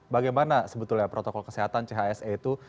bagaimana sebetulnya protokol kesehatan chse itu